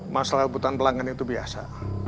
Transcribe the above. masalah kebutuhan pelanggan itu biasa